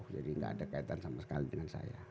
jadi gak ada kaitan sama sekali dengan saya